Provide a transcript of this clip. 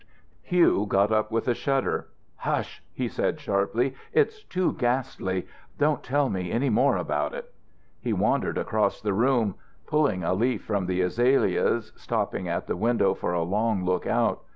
Hugh got up with a shudder. "Hush!" he said, sharply. "It's too ghastly. Don't tell me any more about it." He wandered across the room, pulling a leaf from the azaleas, stopping at the window for a long look out.